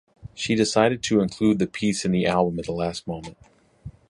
She decided to include the piece in the album at the last moment.